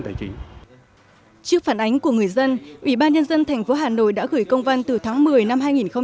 trước phản ánh của người dân ủy ban nhân dân tp hà nội đã gửi công văn từ tháng một mươi năm hai nghìn một mươi chín